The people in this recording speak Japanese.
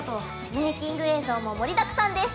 メイキング映像も盛りだくさんです！